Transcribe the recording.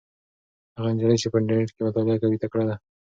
هغه نجلۍ چې په انټرنيټ کې مطالعه کوي تکړه ده.